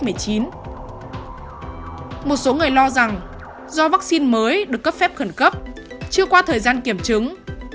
một số người lo rằng do vaccine mới được cấp phép khẩn cấp chưa qua thời gian kiểm chứng